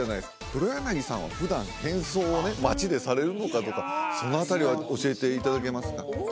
黒柳さんは普段変装をね街でされるのかどうかその辺りは教えていただけますか？